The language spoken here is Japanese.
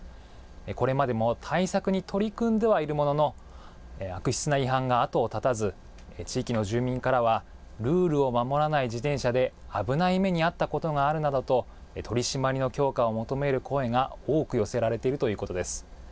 これまでも対策に取り組んではいるものの、悪質な違反が後を絶たず、地域の住民からは、ルールを守らない自転車で危ない目に遭ったことがあるなどと、取締りの強化を求める声が多く寄せられているということです。